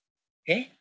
えっ？